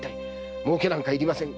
儲けなんかいりません。